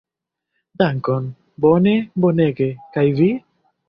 Dankon, bone, bonege, kaj vi?